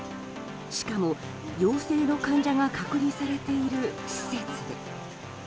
しかも陽性の患者が隔離されている施設で。